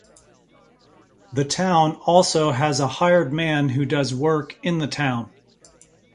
The town also has a hired man who does work in the town.